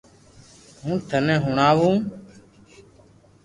ھون ٿني ھڻاو